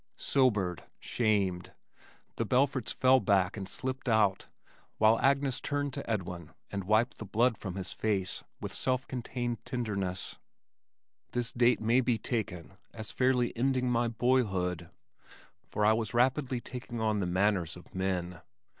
Sobered, shamed, the Belfords fell back and slipped out while Agnes turned to Edwin and wiped the blood from his face with self contained tenderness. This date may be taken as fairly ending my boyhood, for I was rapidly taking on the manners of men.